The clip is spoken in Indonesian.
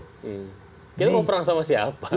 kita mau perang sama siapa